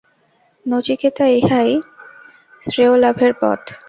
নচিকেতা, ইহাই শ্রেয়োলাভের পথ।